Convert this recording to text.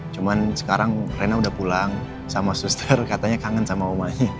cuma sekarang rena udah pulang sama suster katanya kangen sama mamanya